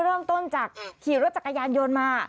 เริ่มต้นจากขี่รถจักรยานยนต์มา